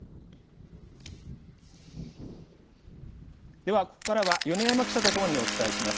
では、ここからは米山記者と共にお伝えします。